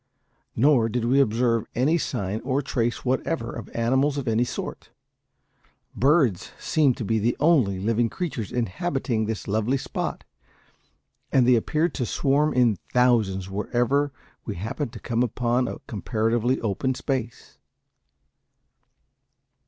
Nor did we observe any sign or trace whatever of animals of any sort; birds seemed to be the only living creatures inhabiting this lovely spot, and they appeared to swarm in thousands wherever we happened to come upon a comparatively open space.